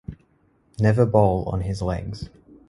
Never bowl on his legs.